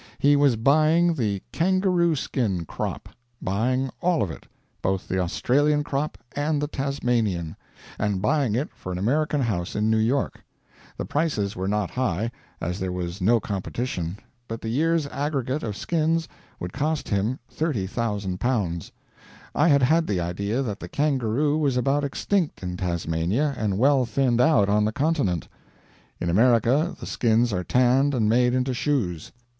He was buying the kangaroo skin crop; buying all of it, both the Australian crop and the Tasmanian; and buying it for an American house in New York. The prices were not high, as there was no competition, but the year's aggregate of skins would cost him L30,000. I had had the idea that the kangaroo was about extinct in Tasmania and well thinned out on the continent. In America the skins are tanned and made into shoes.